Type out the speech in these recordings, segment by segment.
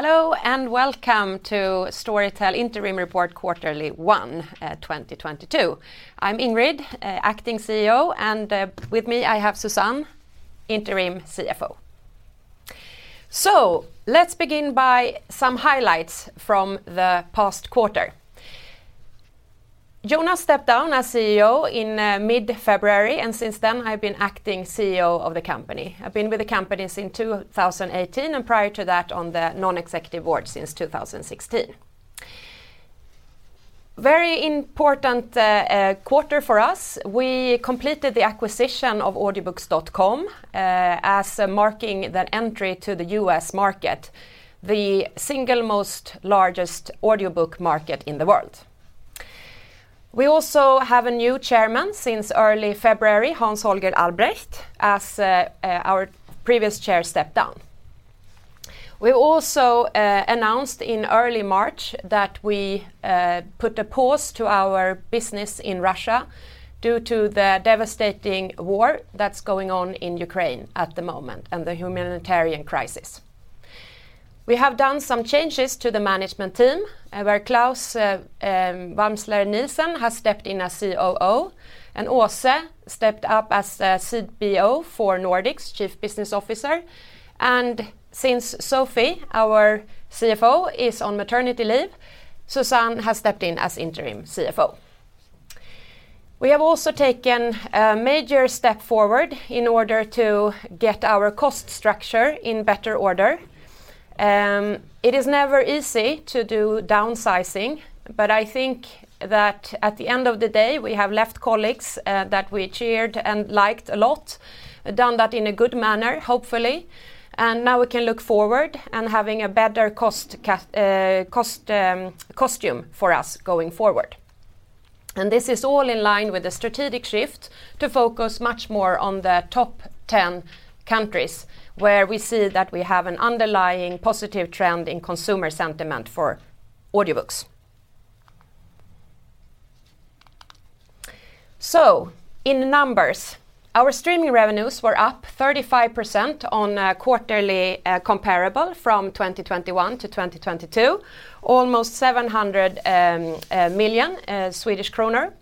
Hello, and welcome to Storytel Interim Report Q1 2022. I'm Ingrid, acting CEO, and with me I have Susanne, interim CFO. Let's begin by some highlights from the past quarter. Jonas stepped down as CEO in mid-February, and since then I've been acting CEO of the company. I've been with the company since 2018, and prior to that on the non-executive board since 2016. Very important quarter for us. We completed the acquisition of Audiobooks.com, as marking the entry to the U.S. market, the single most largest audiobook market in the world. We also have a new chairman since early February, Hans-Holger Albrecht, as our previous chair stepped down. We also announced in early March that we put a pause to our business in Russia due to the devastating war that's going on in Ukraine at the moment and the humanitarian crisis. We have done some changes to the management team, where Claus Wamsler-Nielsen has stepped in as COO, and Åse stepped up as CBO for Nordics, Chief Business Officer. Since Sofie, our CFO, is on maternity leave, Susanne has stepped in as Interim CFO. We have also taken a major step forward in order to get our cost structure in better order. It is never easy to do downsizing, but I think that at the end of the day, we have left colleagues that we cared and liked a lot, done that in a good manner, hopefully, and now we can look forward to having a better costume for us going forward. This is all in line with the strategic shift to focus much more on the top 10 countries where we see that we have an underlying positive trend in consumer sentiment for audiobooks. In numbers, our streaming revenues were up 35% on quarterly comparable from 2021 to 2022, almost 700 million Swedish kronor.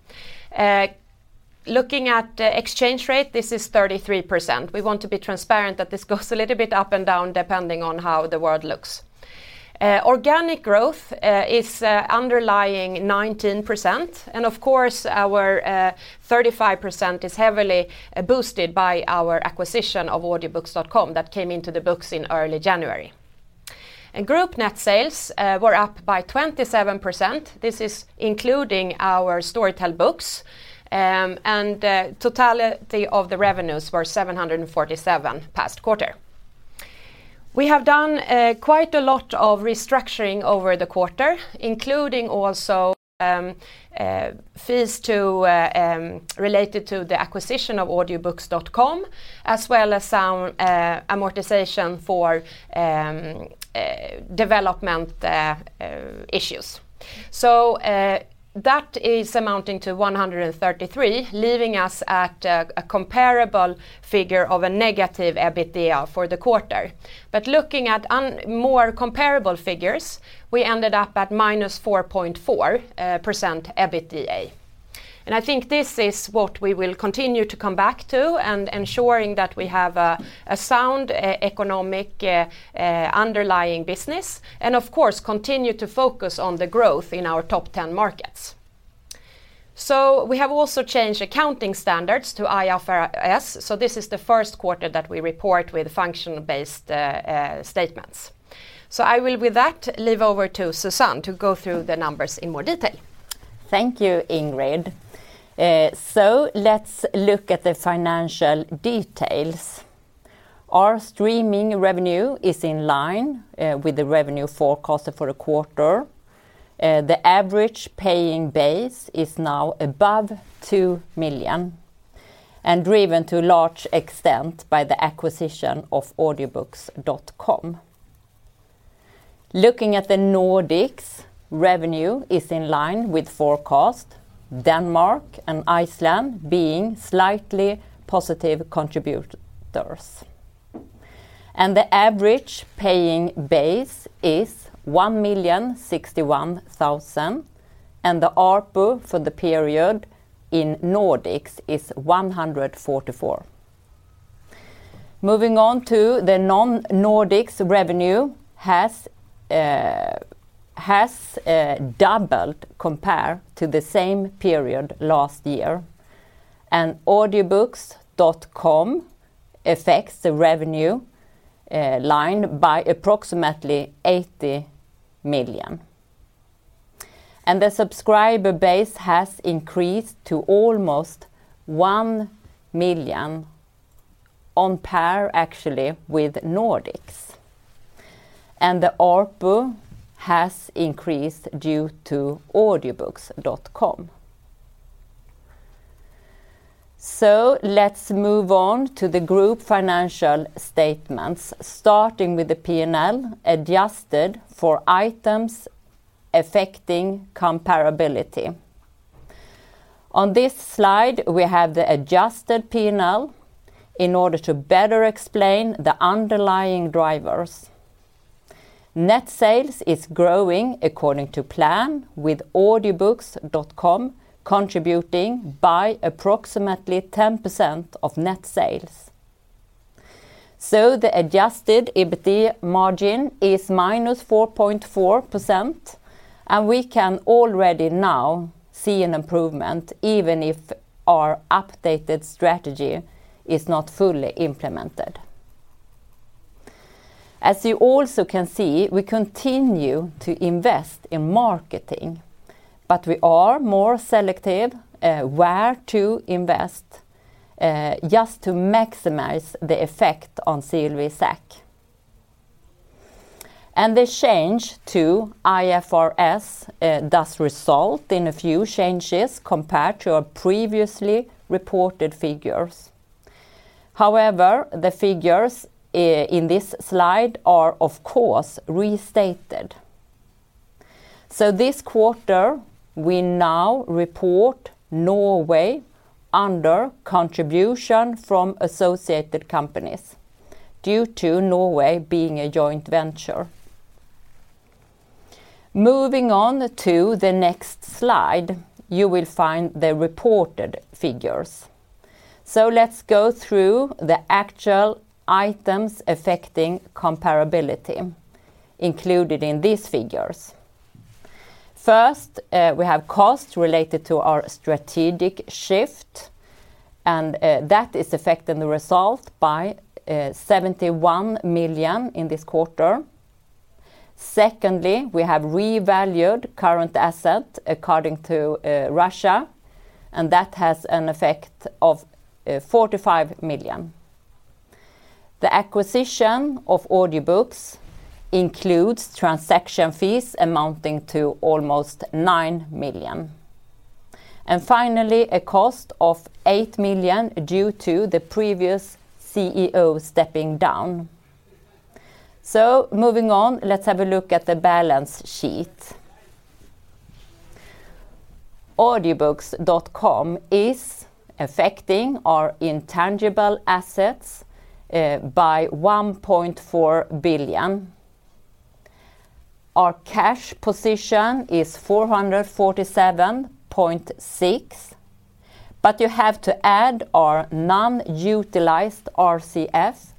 Looking at the exchange rate, this is 33%. We want to be transparent that this goes a little bit up and down depending on how the world looks. Organic growth is underlying 19%. Of course, our 35% is heavily boosted by our acquisition of Audiobooks.com that came into the books in early January. Group net sales were up by 27%. This is including our Storytel Books, and the totality of the revenues were 747 million for the past quarter. We have done quite a lot of restructuring over the quarter, including also fees related to the acquisition of Audiobooks.com, as well as some amortization for development issues. That is amounting to 133 million, leaving us at a comparable figure of a negative EBITDA for the quarter. Looking at more comparable figures, we ended up at minus 4.4% EBITDA. I think this is what we will continue to come back to and ensuring that we have a sound economic underlying business, and of course, continue to focus on the growth in our top 10 markets. We have also changed accounting standards to IFRS, so this is the first quarter that we report with function-based statements. I will, with that, hand over to Susanne to go through the numbers in more detail. Thank you, Ingrid. Let's look at the financial details. Our streaming revenue is in line with the revenue forecast for the quarter. The average paying base is now above 2 million and driven to large extent by the acquisition of Audiobooks.com. Looking at the Nordics, revenue is in line with forecast, Denmark and Iceland being slightly positive contributors. The average paying base is 1,061,000 million and the ARPU for the period in Nordics is 144. Moving on to the non-Nordics, revenue has doubled compared to the same period last year. Audiobooks.com affects the revenue line by approximately 80 million. The subscriber base has increased to almost 1 million on par actually with Nordics. The ARPU has increased due to Audiobooks.com. Let's move on to the group financial statements, starting with the P&L adjusted for items affecting comparability. On this slide, we have the adjusted P&L in order to better explain the underlying drivers. Net sales is growing according to plan with Audiobooks.com contributing by approximately 10% of net sales. The Adjusted EBITDA margin is -4.4%, and we can already now see an improvement even if our updated strategy is not fully implemented. As you also can see, we continue to invest in marketing, but we are more selective, where to invest, just to maximize the effect on CLV/SAC. The change to IFRS does result in a few changes compared to our previously reported figures. However, the figures in this slide are of course restated. This quarter, we now report Norway under contribution from associated companies due to Norway being a joint venture. Moving on to the next slide, you will find the reported figures. Let's go through the actual items affecting comparability included in these figures. First, we have costs related to our strategic shift, and, that is affecting the result by 71 million in this quarter. Secondly, we have revalued current assets due to Russia, and that has an effect of 45 million. The acquisition of Audiobooks.com includes transaction fees amounting to almost 9 million. Finally, a cost of 8 million due to the previous CEO stepping down. Moving on, let's have a look at the balance sheet. Audiobooks.com is affecting our intangible assets by 1.4 billion. Our cash position is 447.6, but you have to add our non-utilized RCF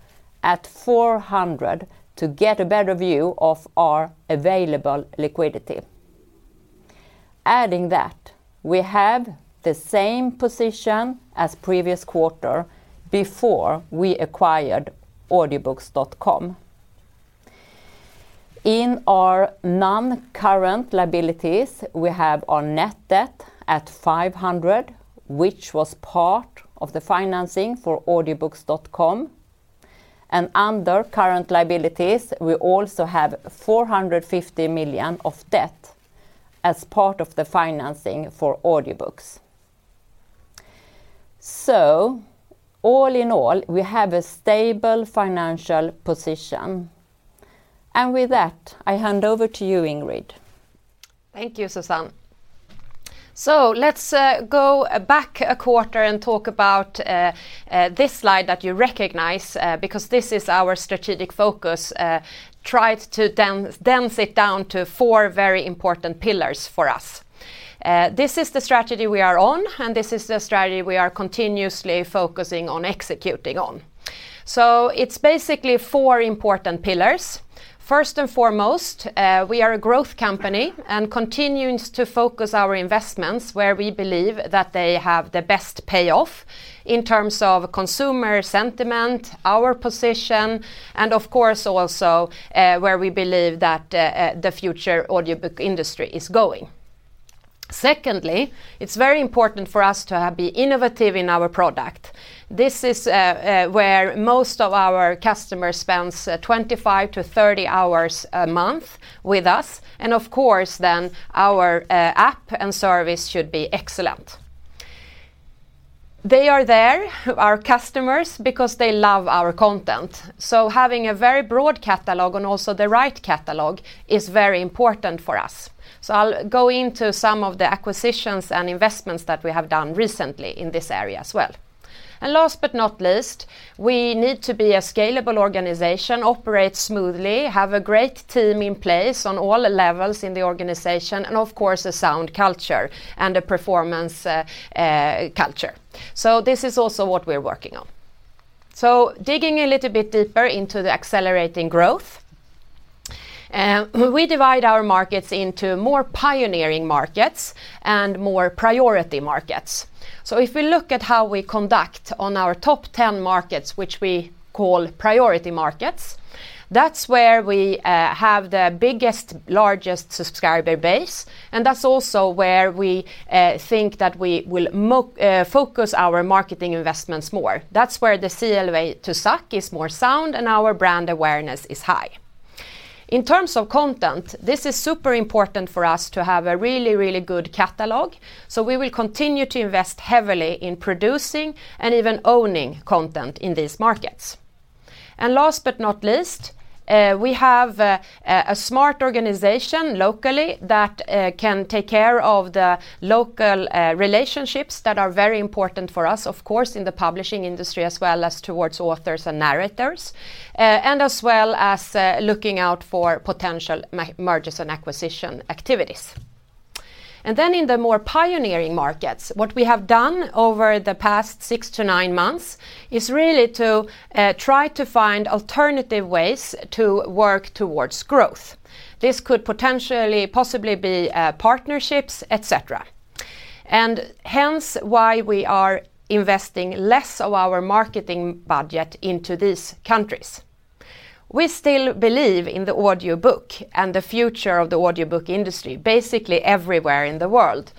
at 400 to get a better view of our available liquidity. Adding that, we have the same position as previous quarter before we acquired Audiobooks.com. In our non-current liabilities, we have our net debt at 500, which was part of the financing for Audiobooks.com. Under current liabilities, we also have 450 million of debt as part of the financing for Audiobooks.com. All in all, we have a stable financial position. With that, I hand over to you, Ingrid. Thank you, Susanne. Let's go back a quarter and talk about this slide that you recognize, because this is our strategic focus, tried to condense it down to four very important pillars for us. This is the strategy we are on, and this is the strategy we are continuously focusing on executing on. It's basically four important pillars. First and foremost, we are a growth company and continuing to focus our investments where we believe that they have the best payoff in terms of consumer sentiment, our position, and of course also, where we believe that the future audiobook industry is going. Secondly, it's very important for us to be innovative in our product. This is where most of our customers spends 25-30 hours a month with us. Of course then our app and service should be excellent. They are there, our customers, because they love our content. Having a very broad catalog and also the right catalog is very important for us. I'll go into some of the acquisitions and investments that we have done recently in this area as well. Last but not least, we need to be a scalable organization, operate smoothly, have a great team in place on all levels in the organization, and of course, a sound culture and a performance culture. This is also what we're working on. Digging a little bit deeper into the accelerating growth, we divide our markets into more pioneering markets and more priority markets. If we look at how we conduct on our top 10 markets, which we call priority markets, that's where we have the biggest, largest subscriber base, and that's also where we think that we will focus our marketing investments more. That's where the CLV/SAC is more sound and our brand awareness is high. In terms of content, this is super important for us to have a really, really good catalog. We will continue to invest heavily in producing and even owning content in these markets. Last but not least, we have a smart organization locally that can take care of the local relationships that are very important for us, of course, in the publishing industry as well as towards authors and narrators, and as well as looking out for potential mergers and acquisitions activities. In the more pioneering markets, what we have done over the past six to nine months is really to try to find alternative ways to work towards growth. This could potentially possibly be partnerships, et cetera, and hence why we are investing less of our marketing budget into these countries. We still believe in the audiobook and the future of the audiobook industry, basically everywhere in the world.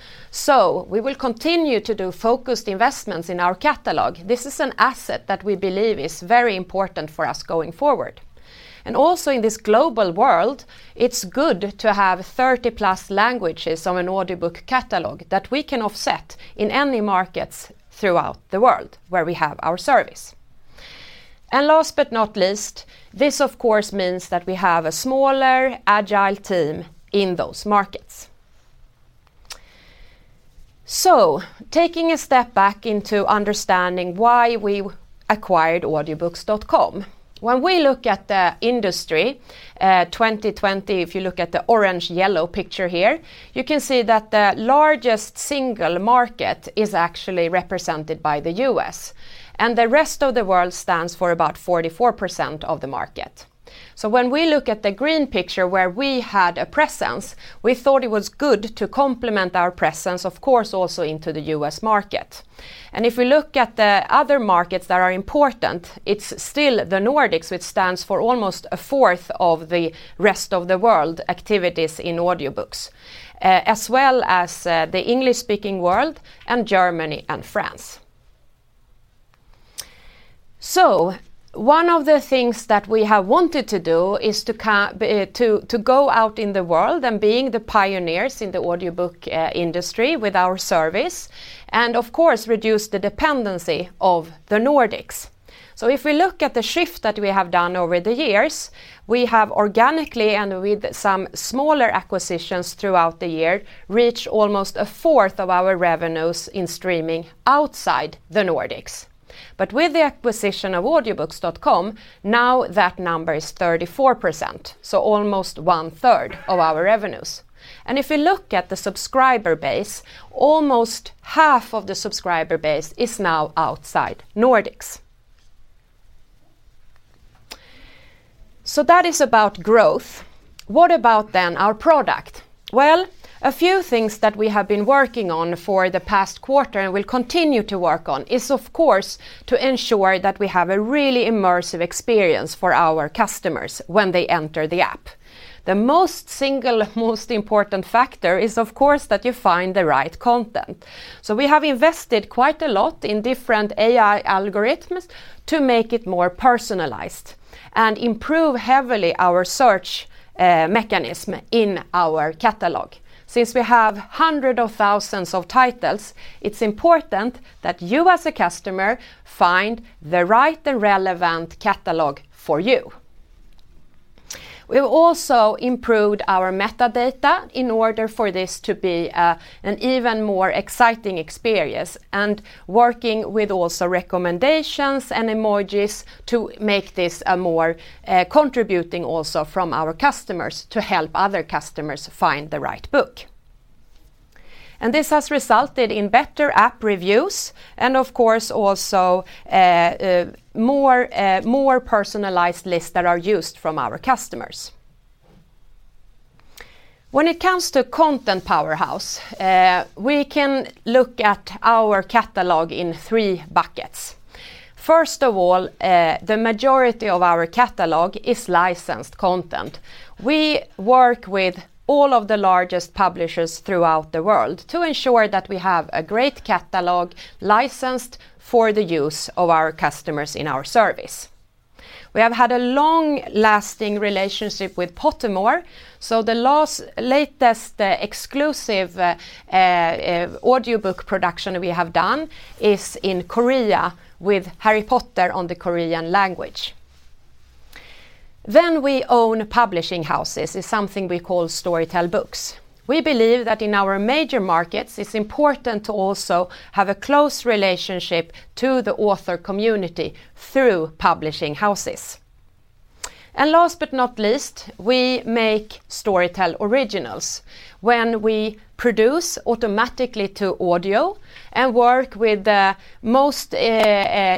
We will continue to do focused investments in our catalog. This is an asset that we believe is very important for us going forward. In this global world, it's good to have 30+ languages on an audiobook catalog that we can offset in any markets throughout the world where we have our service. Last but not least, this of course means that we have a smaller agile team in those markets. Taking a step back into understanding why we acquired Audiobooks.com. When we look at the industry, 2020, if you look at the orange yellow picture here, you can see that the largest single market is actually represented by the U.S., and the rest of the world stands for about 44% of the market. When we look at the green picture where we had a presence, we thought it was good to complement our presence, of course, also into the U.S. market. If we look at the other markets that are important, it's still the Nordics, which stands for almost a fourth of the rest of the world activities in audiobooks, as well as the English-speaking world and Germany and France. One of the things that we have wanted to do is to go out in the world and being the pioneers in the audiobook industry with our service and of course reduce the dependency of the Nordics. If we look at the shift that we have done over the years, we have organically and with some smaller acquisitions throughout the year, reach almost a fourth of our revenues in streaming outside the Nordics. With the acquisition of Audiobooks.com, now that number is 34%, so almost 1/3 of our revenues. If you look at the subscriber base, almost half of the subscriber base is now outside Nordics. That is about growth. What about then our product? Well, a few things that we have been working on for the past quarter and will continue to work on is of course to ensure that we have a really immersive experience for our customers when they enter the app. The single most important factor is of course that you find the right content. We have invested quite a lot in different AI algorithms to make it more personalized and improve heavily our search mechanism in our catalog. Since we have hundreds of thousands of titles, it's important that you as a customer find the right and relevant catalog for you. We've also improved our metadata in order for this to be an even more exciting experience and working with also recommendations and emojis to make this a more contributing also from our customers to help other customers find the right book. This has resulted in better app reviews and of course also more personalized lists that are used from our customers. When it comes to content powerhouse, we can look at our catalog in three buckets. First of all, the majority of our catalog is licensed content. We work with all of the largest publishers throughout the world to ensure that we have a great catalog licensed for the use of our customers in our service. We have had a long-lasting relationship with Pottermore, so the latest exclusive audiobook production we have done is in Korea with Harry Potter on the Korean language. Then, owning publishing houses is something we call Storytel Books. We believe that in our major markets it's important to also have a close relationship to the author community through publishing houses. We make Storytel Originals. When we produce automatically to audio and work with the most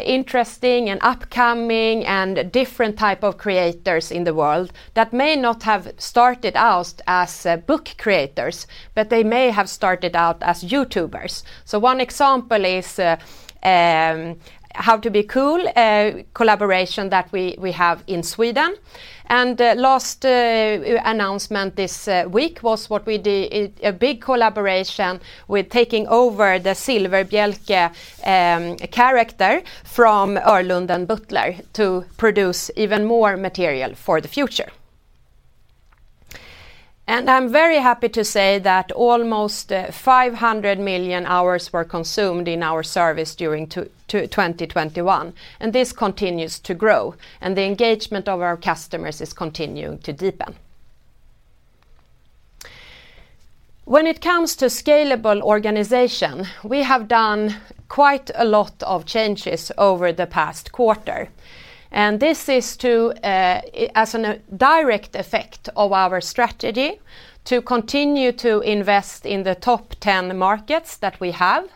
interesting and upcoming and different type of creators in the world that may not have started out as book creators, but they may have started out as YouTubers. One example is How to Be Cool, a collaboration that we have in Sweden. Last announcement this week was what we did, a big collaboration with taking over the Silfverbielke character from Öhrlund and Buthler to produce even more material for the future. I'm very happy to say that almost 500 million hours were consumed in our service during 2021, and this continues to grow, and the engagement of our customers is continuing to deepen. When it comes to scalable organization, we have done quite a lot of changes over the past quarter, and this is to, as a direct effect of our strategy to continue to invest in the top 10 markets that we have.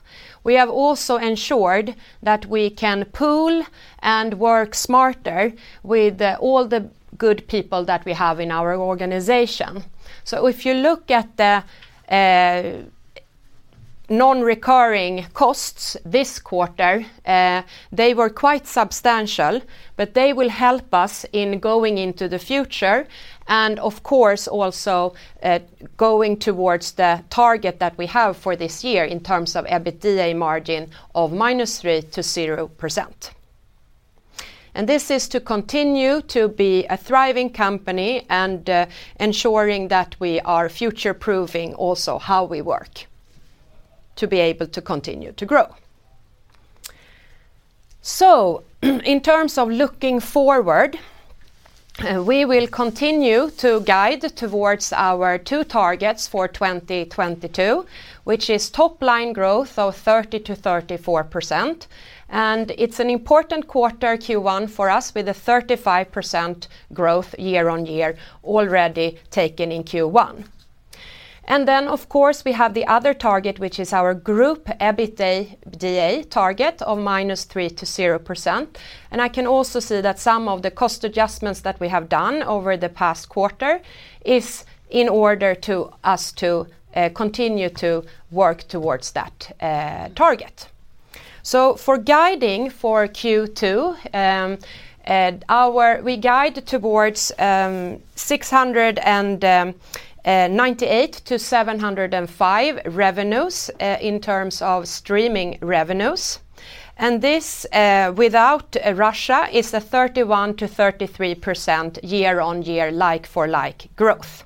We have also ensured that we can pool and work smarter with, all the good people that we have in our organization. If you look at the, non-recurring costs this quarter, they were quite substantial, but they will help us in going into the future, and of course also, going towards the target that we have for this year in terms of EBITDA margin of -3%–0%. This is to continue to be a thriving company and, ensuring that we are future-proofing also how we work to be able to continue to grow. In terms of looking forward, we will continue to guide towards our two targets for 2022, which is top line growth of 30%-34%, and it's an important quarter, Q1, for us with a 35% growth year-on-year already taken in Q1. Of course, we have the other target, which is our group EBITDA target of -3%–0%, and I can also see that some of the cost adjustments that we have done over the past quarter is in order for us to continue to work towards that target. Guiding for Q2, we guide towards 698–705 revenues in terms of streaming revenues, and this without Russia is a 31%–33% year-on-year like-for-like growth.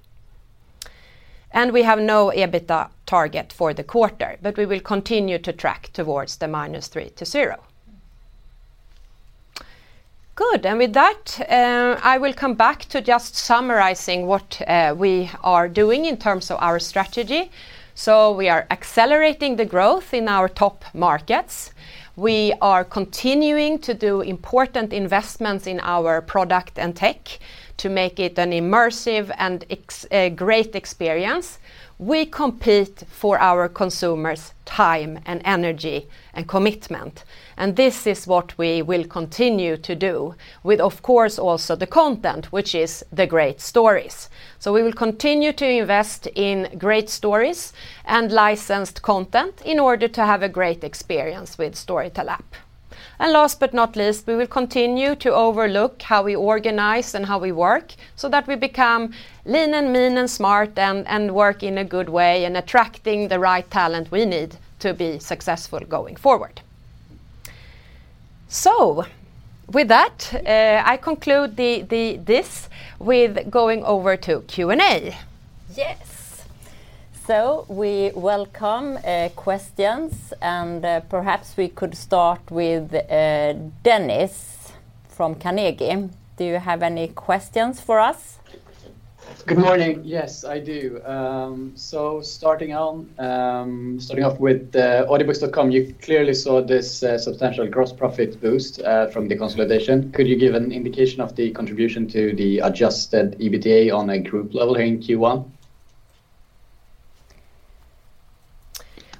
We have no EBITDA target for the quarter, but we will continue to track towards the -3%–0%. Good, with that, I will come back to just summarizing what we are doing in terms of our strategy. We are accelerating the growth in our top markets. We are continuing to do important investments in our product and tech to make it an immersive and great experience. We compete for our consumers' time and energy and commitment, and this is what we will continue to do with, of course, also the content, which is the great stories. We will continue to invest in great stories and licensed content in order to have a great experience with Storytel app. Last but not least, we will continue to overlook how we organize and how we work so that we become lean and mean and smart and work in a good way and attracting the right talent we need to be successful going forward. With that, I conclude this with going over to Q&A. Yes. We welcome questions, and perhaps we could start with Dennis from Carnegie. Do you have any questions for us? Good morning. Yes, I do. Starting off with Audiobooks.com, you clearly saw this substantial gross profit boost from the consolidation. Could you give an indication of the contribution to the adjusted EBITDA on a group level in Q1?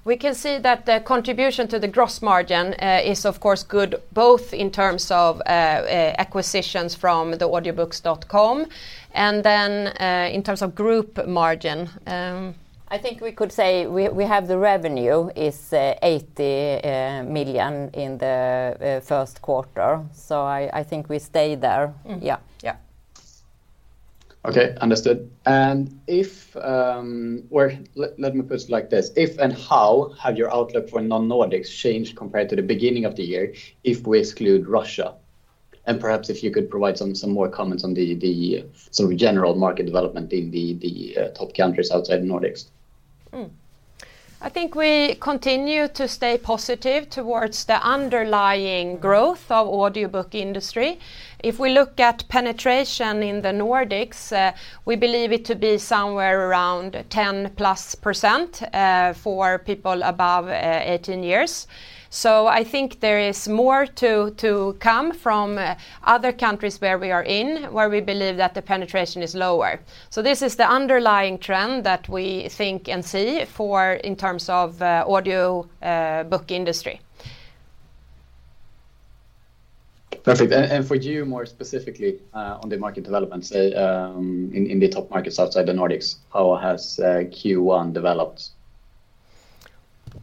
We can see that the contribution to the gross margin is of course good both in terms of acquisitions from the Audiobooks.com and then in terms of group margin. I think we could say we have the revenue is 80 million in the first quarter. I think we stay there. Yeah. Yeah. Okay. Understood. Let me put it like this. If and how have your outlook for non-Nordics changed compared to the beginning of the year if we exclude Russia? Perhaps if you could provide some more comments on the sort of general market development in the top countries outside Nordics. I think we continue to stay positive towards the underlying growth of audiobook industry. If we look at penetration in the Nordics, we believe it to be somewhere around 10%+, for people above 18 years. I think there is more to come from other countries where we are in, where we believe that the penetration is lower. This is the underlying trend that we think and see for in terms of audiobook industry. Perfect. For you more specifically, on the market development, say, in the top markets outside the Nordics, how has Q1 developed?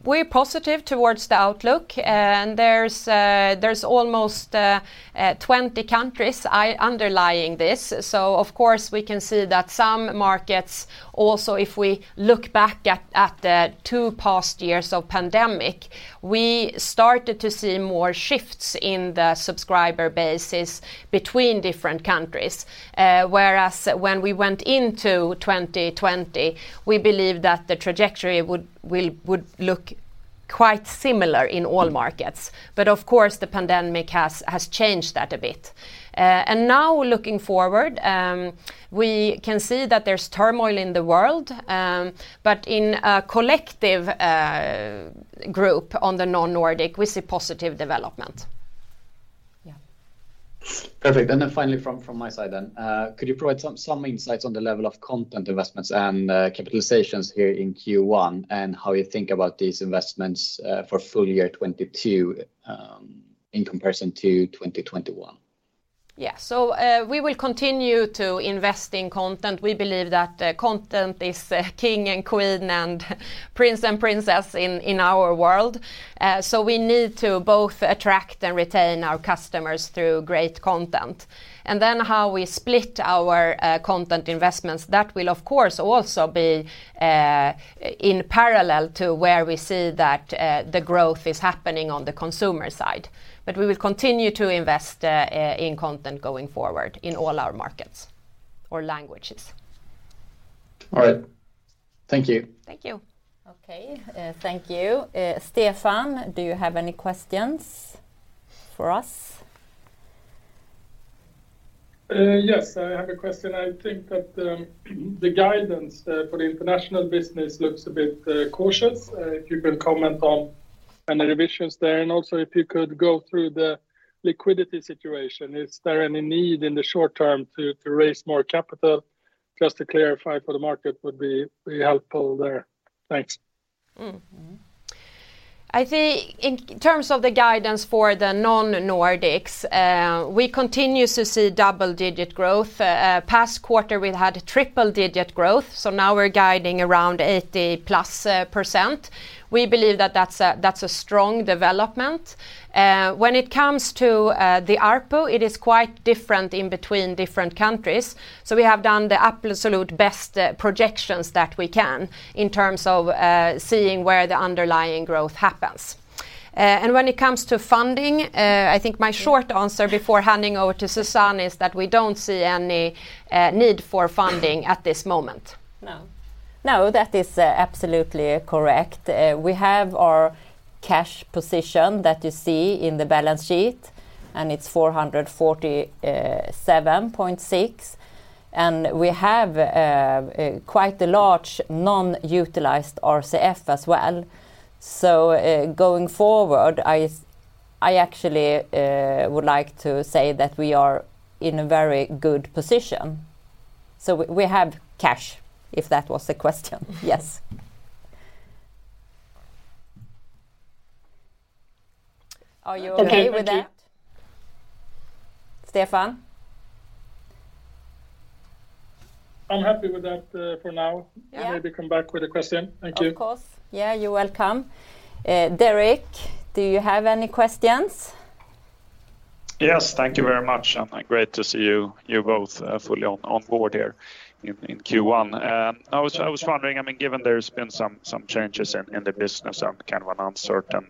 We're positive toward the outlook, and there's almost 20 countries in underlying this. Of course, we can see that some markets also if we look back at the two past years of pandemic, we started to see more shifts in the subscriber base between different countries. Whereas when we went into 2020, we believe that the trajectory would look quite similar in all markets. Of course, the pandemic has changed that a bit. Now looking forward, we can see that there's turmoil in the world, but in a collective group on the non-Nordic, we see positive development. Perfect. Finally from my side, could you provide some insights on the level of content investments and capitalizations here in Q1, and how you think about these investments for full year 2022, in comparison to 2021? Yeah. We will continue to invest in content. We believe that content is king and queen and prince and princess in our world. We need to both attract and retain our customers through great content. Then how we split our content investments, that will of course also be in parallel to where we see that the growth is happening on the consumer side. We will continue to invest in content going forward in all our markets or languages. All right. Thank you. Thank you. Okay. Thank you. Stefan, do you have any questions for us? Yes, I have a question. I think that the guidance for the international business looks a bit cautious. If you can comment on any revisions there, and also if you could go through the liquidity situation. Is there any need in the short term to raise more capital? Just to clarify for the market would be helpful there. Thanks. I think in terms of the guidance for the non-Nordics, we continue to see double-digit growth. Past quarter, we had triple-digit growth, so now we're guiding around 80+%. We believe that that's a strong development. When it comes to the ARPU, it is quite different in between different countries, so we have done the absolute best projections that we can in terms of seeing where the underlying growth happens. When it comes to funding, I think my short answer before handing over to Susanne is that we don't see any need for funding at this moment. No. No, that is, absolutely correct. We have our cash position that you see in the balance sheet, and it's 447.6. We have quite a large non-utilized RCF as well. Going forward, I actually would like to say that we are in a very good position. We have cash, if that was the question. Yes. Are you okay with that? Okay. Thank you. Stefan? I'm happy with that, for now. Yeah. I maybe come back with a question. Thank you. Of course. Yeah, you're welcome. Derek, do you have any questions? Yes. Thank you very much, and great to see you both fully on board here in Q1. I was wondering, I mean, given there's been some changes in the business and kind of an uncertain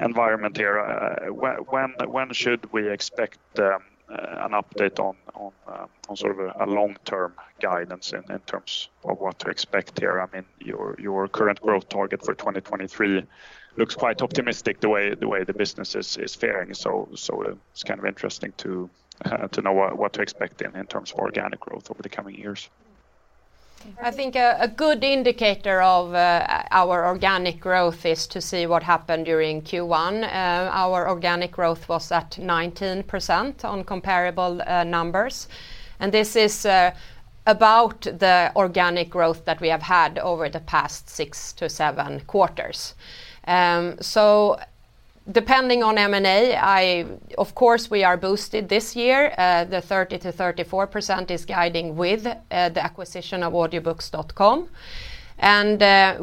environment here, when should we expect an update on sort of a long-term guidance in terms of what to expect here? I mean, your current growth target for 2023 looks quite optimistic the way the business is faring. It's kind of interesting to know what to expect in terms of organic growth over the coming years. I think a good indicator of our organic growth is to see what happened during Q1. Our organic growth was at 19% on comparable numbers, and this is about the organic growth that we have had over the past six to seven quarters. Depending on M&A, of course we are boosted this year. The 30%–34% is guiding with the acquisition of Audiobooks.com.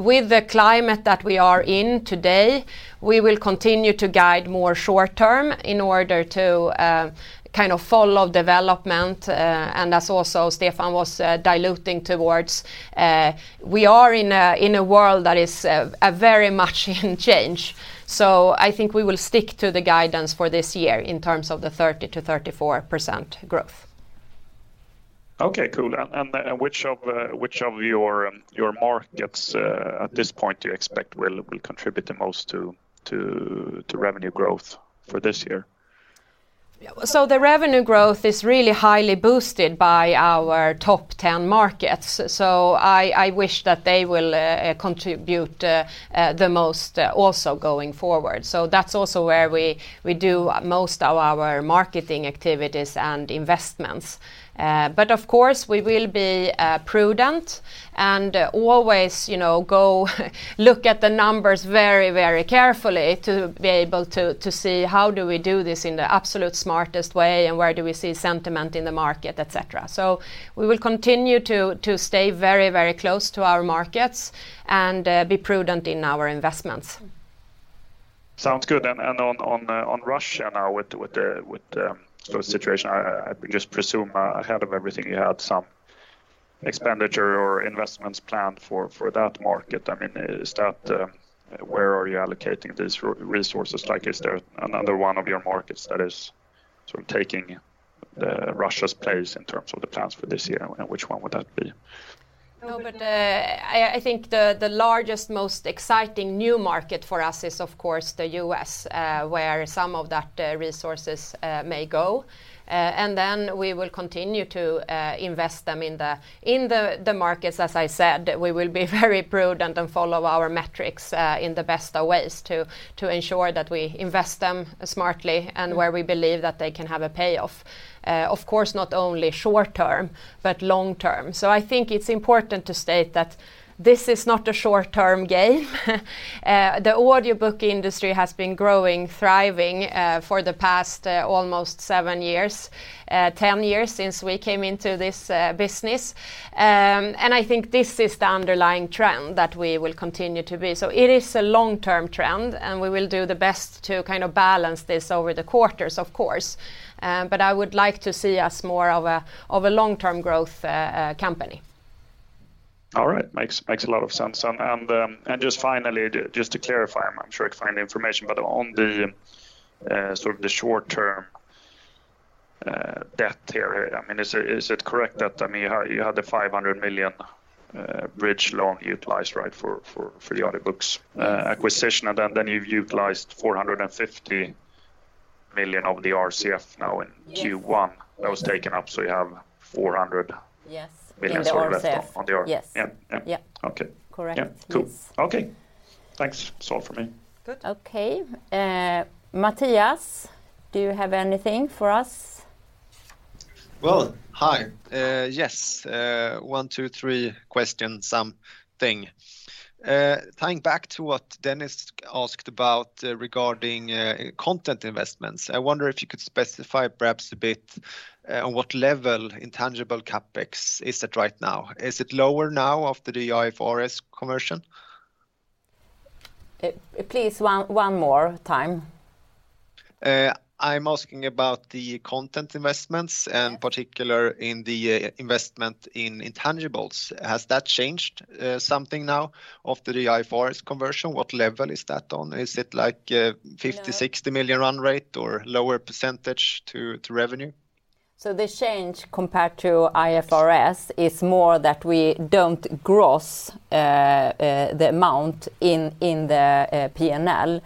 With the climate that we are in today, we will continue to guide more short term in order to kind of follow development, and as Stefan was also alluding to, we are in a world that is very much in change. I think we will stick to the guidance for this year in terms of the 30%–34% growth. Okay. Cool. Which of your markets, at this point, do you expect will contribute the most to revenue growth for this year? Yeah. The revenue growth is really highly boosted by our top 10 markets. I wish that they will contribute the most also going forward. That's also where we do most of our marketing activities and investments. But of course, we will be prudent and always, you know, go look at the numbers very, very carefully to be able to see how do we do this in the absolute smartest way and where do we see sentiment in the market, et cetera. We will continue to stay very, very close to our markets and be prudent in our investments. Sounds good. On Russia now with the sort of situation, I just presume ahead of everything you had some expenditure or investments planned for that market. I mean, is that where are you allocating these resources? Like, is there another one of your markets that is sort of taking Russia's place in terms of the plans for this year, which one would that be? No, but I think the largest, most exciting new market for us is, of course, the U.S., where some of those resources may go. We will continue to invest them in the markets, as I said. We will be very prudent and follow our metrics in the best of ways to ensure that we invest them smartly and where we believe that they can have a payoff. Of course, not only short-term, but long-term. I think it's important to state that this is not a short-term game. The audiobook industry has been growing, thriving for the past almost seven years, 10 years since we came into this business. I think this is the underlying trend that we will continue to be. It is a long-term trend, and we will do the best to kind of balance this over the quarters, of course. I would like to see us more of a long-term growth company. All right. Makes a lot of sense. Just to clarify, I'm sure I can find the information, but on the sort of the short-term debt here, I mean, is it correct that I mean you had the 500 million bridge loan utilized, right, for the Audiobooks.com acquisition? You've utilized 450 million of the RCF now in Q1 that was taken up, so you have 400... Yes. million sort of left on the RCF. In the RCF. Yes. Yeah. Yeah. Yeah. Okay. Correct. Yeah. Cool. Yes. Okay. Thanks. That's all for me. Good. Okay. Mathias, do you have anything for us? Well, hi. Yes. One to three questions thing. Tying back to what Dennis asked about regarding content investments, I wonder if you could specify perhaps a bit on what level intangible CapEx is at right now. Is it lower now after the IFRS conversion? Please, one more time. I'm asking about the content investments... Yes. and particularly in the investment in intangibles. Has that changed something now after the IFRS conversion? What level is that on? Is it like... No. 50–60 million run rate or lower percentage to revenue? The change compared to IFRS is more that we don't gross the amount in the P&L.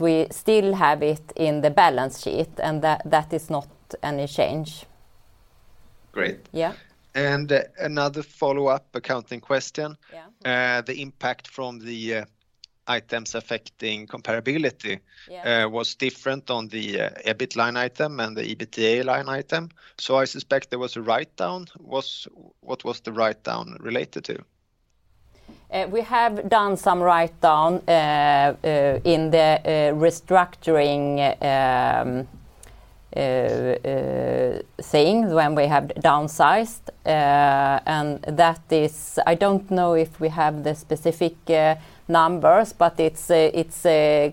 We still have it in the balance sheet, and that is not any change. Great. Yeah. Another follow-up accounting question. Yeah. The impact from the items affecting comparability... Yeah. was different on the EBIT line item and the EBITDA line item. I suspect there was a write-down. What was the write-down related to? We have done some write-down in the restructuring thing when we have downsized. That is. I don't know if we have the specific numbers, but it's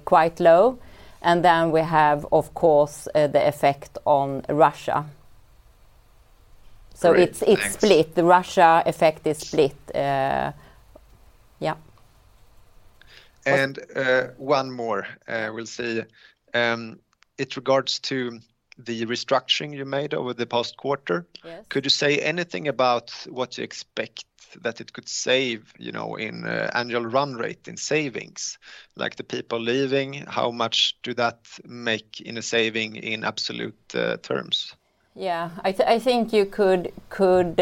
quite low. We have, of course, the effect on Russia. Great. Thanks. It's split. The Russia effect is split. Yeah. One more, we'll see. It regards to the restructuring you made over the past quarter. Yes. Could you say anything about what you expect that it could save, you know, in annual run rate in savings? Like the people leaving, how much do that make in a saving in absolute terms? Yeah. I think you could think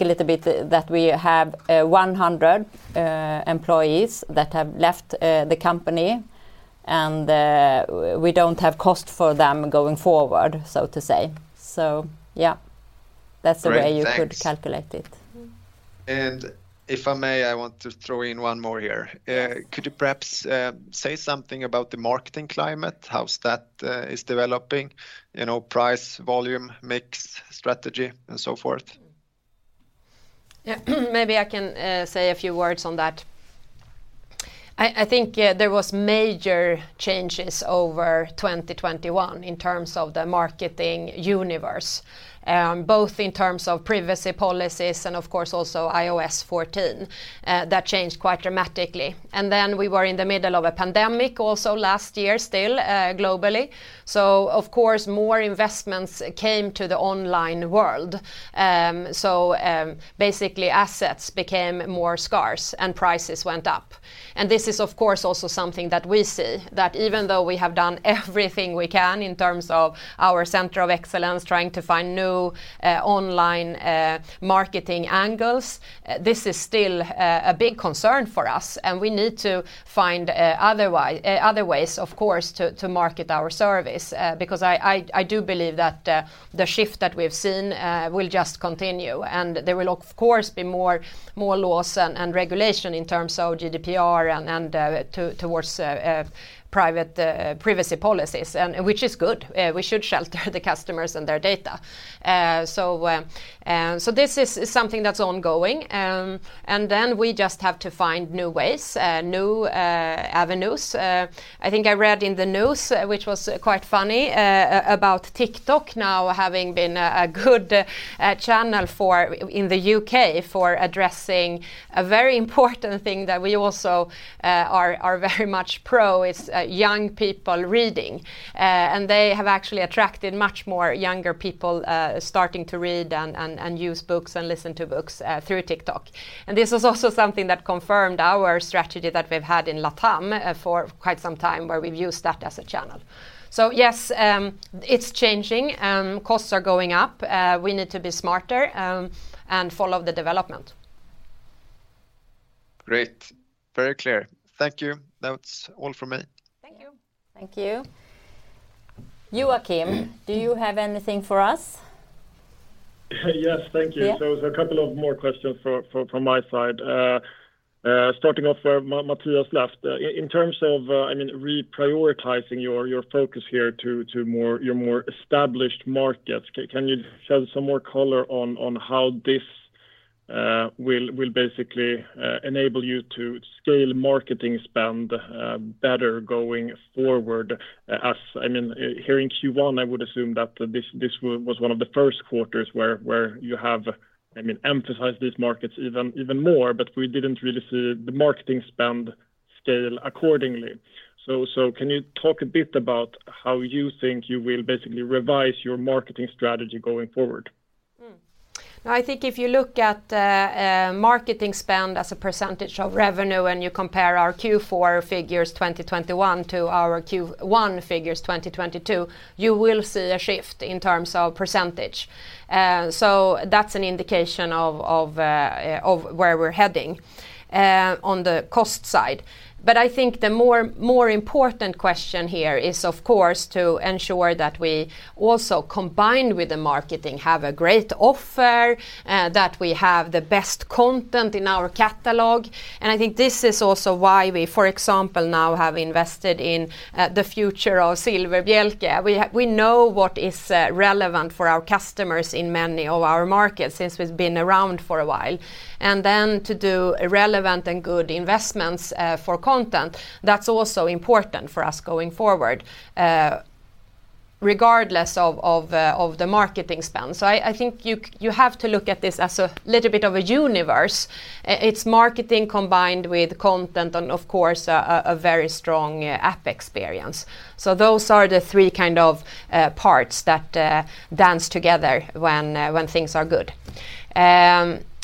a little bit that we have 100 employees that have left the company, and we don't have cost for them going forward, so to say. Yeah. Great. Thanks. That's the way you could calculate it. If I may, I want to throw in one more here. Could you perhaps say something about the marketing climate, how that is developing? You know, price, volume, mix, strategy, and so forth. Yeah. Maybe I can say a few words on that. I think, yeah, there was major changes over 2021 in terms of the marketing universe, both in terms of privacy policies and of course also iOS 14. That changed quite dramatically. We were in the middle of a pandemic also last year still, globally. Of course, more investments came to the online world. Basically assets became more scarce and prices went up. This is of course also something that we see, that even though we have done everything we can in terms of our center of excellence, trying to find new online marketing angles, this is still a big concern for us. We need to find other ways of course to market our service. Because I do believe that the shift that we've seen will just continue, and there will of course be more laws and regulation in terms of GDPR and towards privacy policies, which is good. We should shelter the customers and their data. This is something that's ongoing. We just have to find new ways, new avenues. I think I read in the news, which was quite funny, about TikTok now having been a good channel in the U.K. for addressing a very important thing that we also are very much pro young people reading. They have actually attracted much more younger people starting to read and use books and listen to books through TikTok. This is also something that confirmed our strategy that we've had in LATAM for quite some time, where we've used that as a channel. Yes, it's changing. Costs are going up. We need to be smarter and follow the development. Great. Very clear. Thank you. That's all from me. Thank you. Thank you. Joachim, do you have anything for us? Yes. Thank you. Yeah. There's a couple of more questions from my side. Starting off where Mathias left. In terms of, I mean, reprioritizing your focus here to your more established markets, can you shed some more color on how this will basically enable you to scale marketing spend better going forward? I mean, here in Q1, I would assume that this was one of the first quarters where you have, I mean, emphasized these markets even more, but we didn't really see the marketing spend scale accordingly. Can you talk a bit about how you think you will basically revise your marketing strategy going forward? I think if you look at marketing spend as a percentage of revenue, and you compare our Q4 figures 2021 to our Q1 figures 2022, you will see a shift in terms of percentage. That's an indication of where we're heading on the cost side. I think the more important question here is, of course, to ensure that we also combined with the marketing, have a great offer that we have the best content in our catalog. I think this is also why we, for example, now have invested in the future of Silfverbielke. We know what is relevant for our customers in many of our markets, since we've been around for a while. To do relevant and good investments for content, that's also important for us going forward, regardless of the marketing spend. I think you have to look at this as a little bit of a universe. It's marketing combined with content and of course, a very strong app experience. Those are the three kind of parts that dance together when things are good.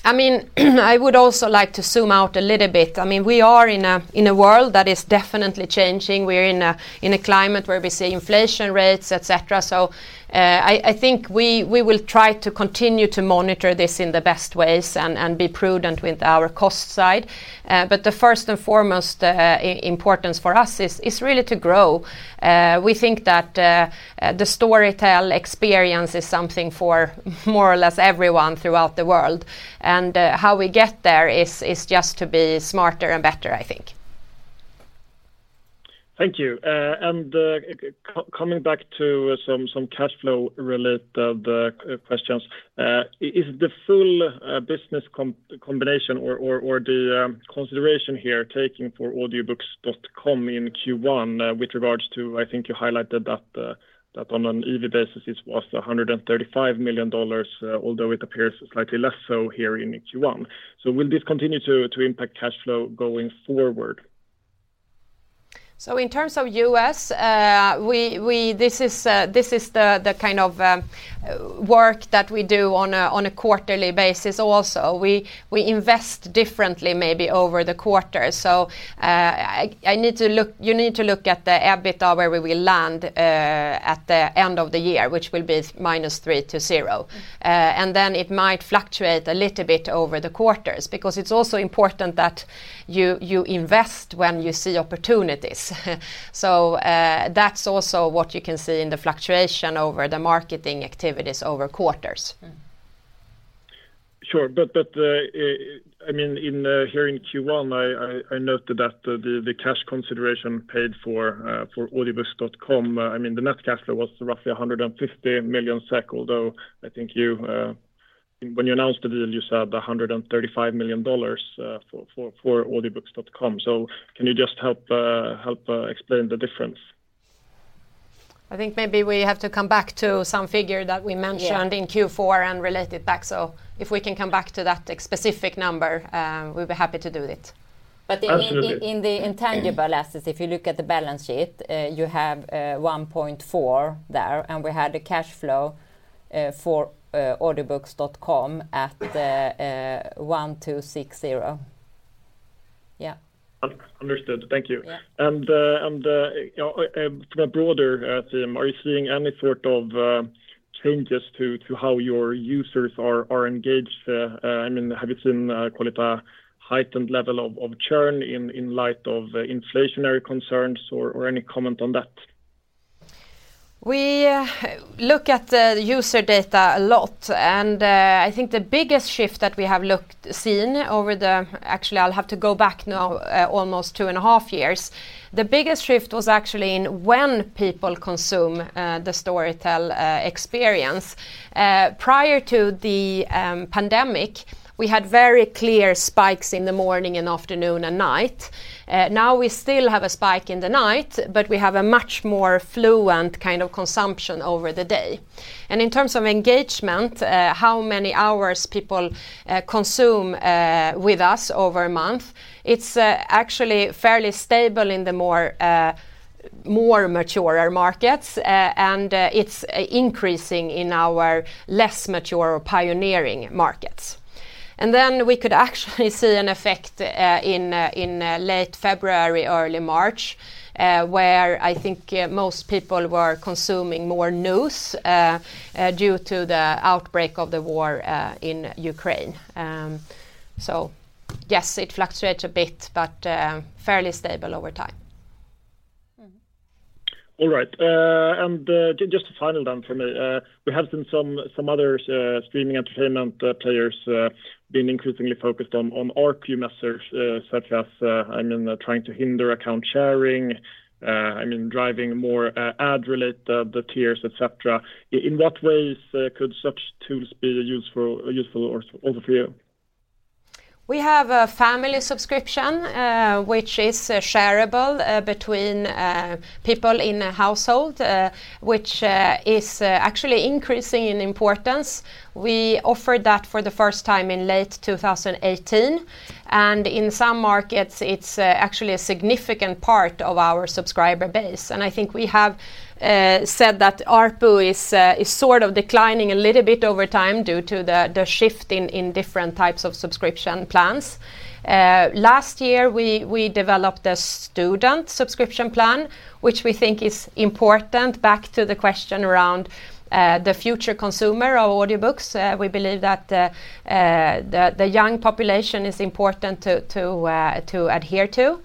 I mean, I would also like to zoom out a little bit. I mean, we are in a world that is definitely changing. We're in a climate where we see inflation rates, et cetera. I think we will try to continue to monitor this in the best ways and be prudent with our cost side. The first and foremost importance for us is really to grow. We think that the Storytel experience is something for more or less everyone throughout the world. How we get there is just to be smarter and better I think. Thank you. Coming back to some cash flow related questions, is the full business combination or the consideration here taken for Audiobooks.com in Q1 with regards to, I think you highlighted that that on an EBITDA it was $135 million, although it appears slightly less so here in Q1. Will this continue to impact cash flow going forward? In terms of U.S., this is the kind of work that we do on a quarterly basis also. We invest differently maybe over the quarter. You need to look at the EBITDA where we will land at the end of the year, which will be -3–0. It might fluctuate a little bit over the quarters because it's also important that you invest when you see opportunities. That's also what you can see in the fluctuation over the marketing activities over quarters. Sure. I mean, in hearing Q1, I noted that the cash consideration paid for Audiobooks.com, I mean, the net cash flow was roughly 150 million SEK, although I think you, when you announced the deal, you said $135 million for Audiobooks.com. Can you just help explain the difference? I think maybe we have to come back to some figure that we mentioned... Yeah. in Q4 and relate it back. If we can come back to that specific number, we'd be happy to do it. Absolutely. In the intangible assets, if you look at the balance sheet, you have 1.4 there, and we had a cash flow for Audiobooks.com at 1,260. Understood. Thank you. Yeah. From a broader theme, are you seeing any sort of changes to how your users are engaged? I mean, have you seen, call it, a heightened level of churn in light of inflationary concerns or any comment on that? We look at the user data a lot, and I think the biggest shift that we have seen. Actually, I'll have to go back now, almost two and a half years. The biggest shift was actually in when people consume the Storytel experience. Prior to the pandemic, we had very clear spikes in the morning and afternoon and night. Now we still have a spike in the night, but we have a much more fluid kind of consumption over the day. In terms of engagement, how many hours people consume with us over a month, it's actually fairly stable in the more mature markets, and it's increasing in our less mature pioneering markets. We could actually see an effect in late February, early March, where I think most people were consuming more news due to the outbreak of the war in Ukraine. Yes, it fluctuates a bit, but fairly stable over time. All right. Just a final then for me. We have seen some other streaming entertainment players being increasingly focused on ARPU messages, such as, I mean, trying to hinder account sharing, I mean, driving more ad-related the tiers, et cetera. In what ways could such tools be useful or also for you? We have a family subscription, which is shareable between people in a household, which is actually increasing in importance. We offered that for the first time in late 2018, and in some markets, it's actually a significant part of our subscriber base. I think we have said that ARPU is sort of declining a little bit over time due to the shift in different types of subscription plans. Last year, we developed a student subscription plan, which we think is important back to the question around the future consumer of audiobooks. We believe that the young population is important to adhere to.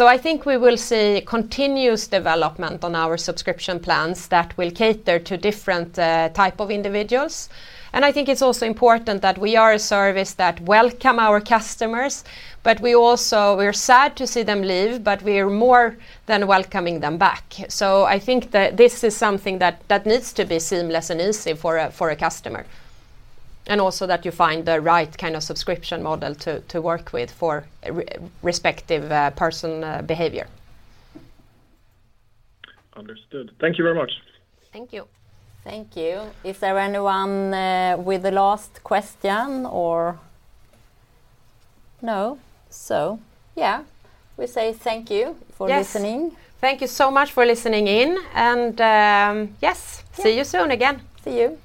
I think we will see continuous development on our subscription plans that will cater to different type of individuals. I think it's also important that we are a service that welcome our customers, but we're sad to see them leave, but we are more than welcoming them back. I think that this is something that needs to be seamless and easy for a customer, and also that you find the right kind of subscription model to work with for respective personal behavior. Understood. Thank you very much. Thank you. Thank you. Is there anyone with the last question, or no? Yeah, we say thank you for listening. Yes. Thank you so much for listening in and, yes, see you soon again. See you.